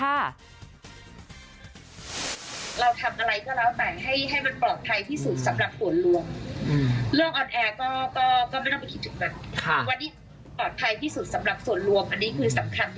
เราทำอะไรก็แล้วแต่ให้มันปลอดภัยที่สุดสำหรับส่วนรวม